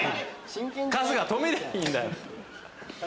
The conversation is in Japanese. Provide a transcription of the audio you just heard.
春日止めりゃあいいんだよ。